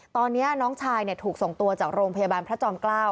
ตอนนี้น้องชายถูกส่งตัวจากโรงพยาบาลพระจอมเกล้า